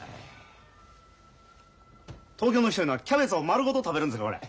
東京の人いうのはキャベツを丸ごと食べるんですねこれ。